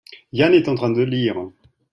Yann est en train de lire.